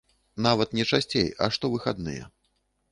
Нават не часцей, а штовыхадныя.